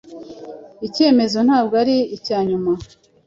Icyemezo ntabwo ari icyanyuma